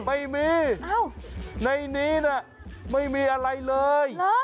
ไม่มีในนี้น่ะไม่มีอะไรเลย